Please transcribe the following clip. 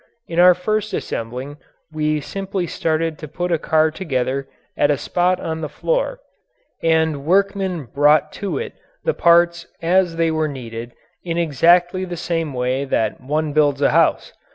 In our first assembling we simply started to put a car together at a spot on the floor and workmen brought to it the parts as they were needed in exactly the same way that one builds a house.